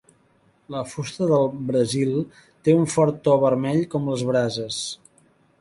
La fusta del brasil té un fort to vermell com les brases.